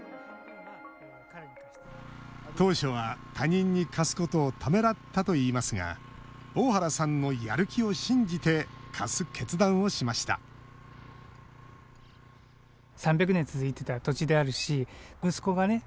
当初は、他人に貸すことをためらったといいますが大原さんのやる気を信じて貸す決断をしましたはい！